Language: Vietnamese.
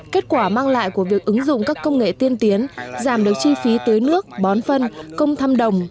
kết quả mang lại của việc ứng dụng các công nghệ tiên tiến giảm được chi phí tưới nước bón phân công thăm đồng